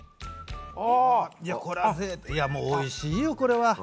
いやもうおいしいよこれは。